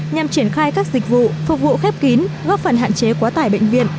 nhằm triển khai các dịch vụ phục vụ khép kín góp phần hạn chế quá tải bệnh viện